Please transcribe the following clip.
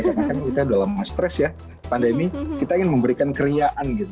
karena kan kita dalam stres ya pandemi kita ingin memberikan kriaan gitu